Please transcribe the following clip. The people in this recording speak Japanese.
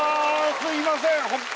すいません